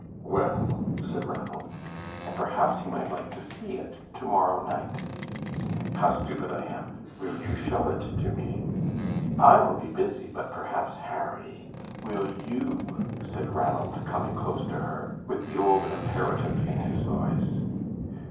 "Well?" said Ranald. "And perhaps you might like to see it to morrow night." "How stupid I am. Will you show it to me?" "I will be busy, but perhaps Harry " "Will you?" said Ranald, coming close to her, with the old imperative in his voice.